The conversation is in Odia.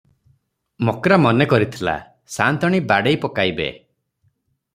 ମକ୍ରା ମନେ କରିଥିଲା, ସାଅନ୍ତାଣୀ ବାଡ଼େଇ ପକାଇବେ ।